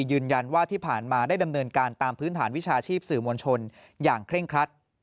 ยืนยันว่าที่ผ่านมาได้ดำเนินการตามพื้นฐานวิชาชีพสื่อมวลชนอย่างเคร่งครัด